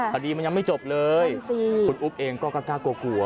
คดีมันยังไม่จบเลยคุณอุ๊บเองก็กล้ากลัวกลัว